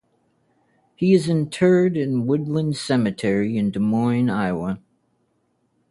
He is interred in Woodland Cemetery in Des Moines, Iowa.